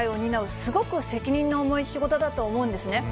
すごく責任の重い仕事だと思うんですね。